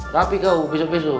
rapi kau besok besok